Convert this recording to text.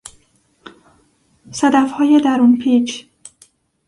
صدفهای درون پیچ